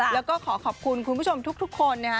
แล้วก็ขอขอบคุณคุณผู้ชมทุกคนนะฮะ